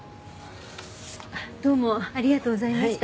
あっどうもありがとうございました。